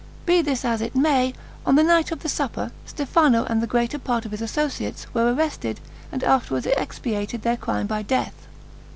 Be this as it may, on the night of the supper Stefano, and the greater part of his associates, were arrested, and afterward expiated their crime by death.